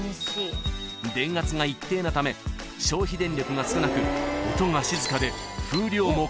［電圧が一定なため消費電力が少なく音が静かで］